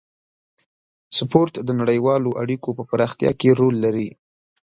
سپورت د نړیوالو اړیکو په پراختیا کې رول لري.